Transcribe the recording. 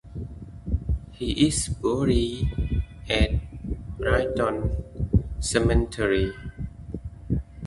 He is buried at Brayton Cemetery.